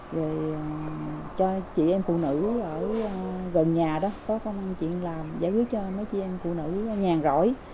rồi cho chị em phụ nữ ở gần nhà đó có công chuyện làm giải quyết cho mấy chị em phụ nữ nhàn rỗi